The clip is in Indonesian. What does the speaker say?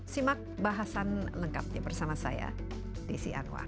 simak bahasan lengkapnya bersama saya desi anwar